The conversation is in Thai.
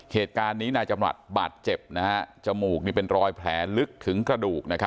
เหตุการณ์นี้นายจำรัฐบาดเจ็บจมูกเป็นรอยแผลลึกถึงกระดูก